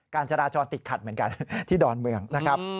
การจราจรติดขัดเหมือนกันที่ดอนเมืองนะครับ